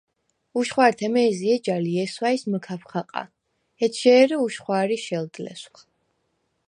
უშხვა̄რთე მე̄ზი ეჯა ლი, ჲესვა̄̈ჲს მჷქაფ ხაყა, ეჯჟ’ ე̄რე უშხვა̄რი შელდ ლესვხ.